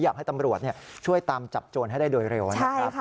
อยากให้ตำรวจช่วยตามจับโจรให้ได้โดยเร็วนะครับ